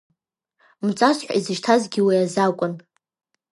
Мҵарс ҳәа изашьҭазгьы уи азы акәын.